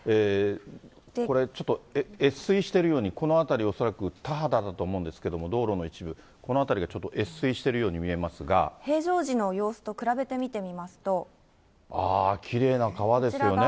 これちょっと越水してるように、この辺り、恐らく田畑だと思うんですけど、道路の一部、この辺りがちょっと越水しているように見平常時の様子と比べて見てみあー、きれいな川ですよね。